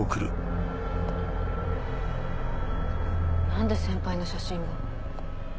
何で先輩の写真が？